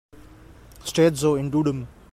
Steht so im Duden.